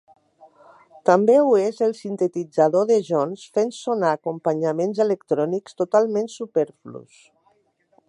També ho és el sintetitzador de Jones, fent sonar acompanyaments electrònics totalment superflus.